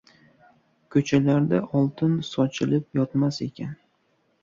Koʻchalarda oltin sochilib yotmas ekan.